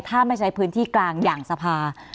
ถ้าไม่ใช้พื้นที่กลางอย่างสภา